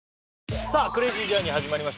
さあ「クレイジージャーニー」始まりました